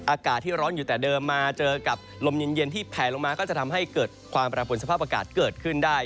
อากาศที่ร้อนอยู่แต่เดิมมาเจอกับลมเย็นที่แผลลงมาก็จะทำให้เกิดความแปรผลสภาพอากาศเกิดขึ้นได้